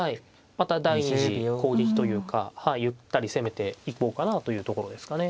また第２次攻撃というかゆったり攻めていこうかなというところですかね。